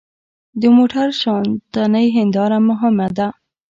د موټر شاتنۍ هېنداره مهمه ده.